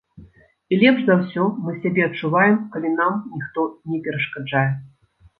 І лепш за ўсё мы сябе адчуваем, калі нам ніхто не перашкаджае.